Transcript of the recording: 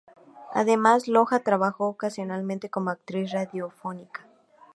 Además, Loja trabajó ocasionalmente como actriz radiofónica.